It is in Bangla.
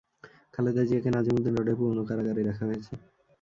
খালেদা জিয়াকে নাজিমুদ্দিন রোডের পুরোনো কারাগারে রাখা হয়েছে।